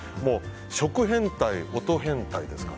食変態、音変態ですから。